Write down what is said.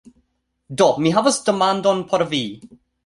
Do, mi havas demandon por vi